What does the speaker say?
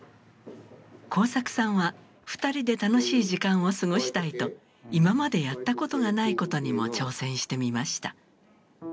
耕作さんは２人で楽しい時間を過ごしたいと今までやったことがないことにも挑戦してみました。